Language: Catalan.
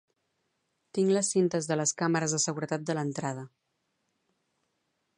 Tinc les cintes de les càmeres de seguretat de l'entrada.